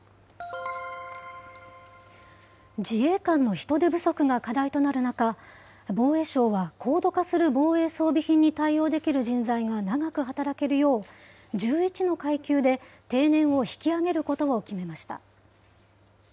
自衛官の人手不足が課題となる中、防衛省は高度化する防衛装備品に対応できる人材が長く働けるよう、１１の階級で定年を引き上げることを決めました。